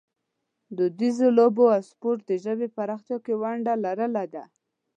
دودیزو لوبو او سپورټ د ژبې په پراختیا کې ونډه لرلې ده.